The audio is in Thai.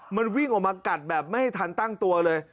มันวิ่งออกมากัดแบบไม่ทันตั้งตัวเลย